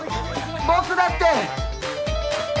僕だって！